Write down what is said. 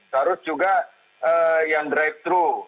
terus juga yang drive thru